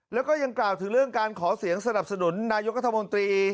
แล้วก็ยังกล่าวถึงเรื่องการขอเสียงสนับสนุนนายกัธมนตรี